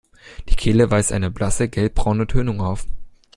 Die Kehle weist eine blasse gelbbraune Tönung auf.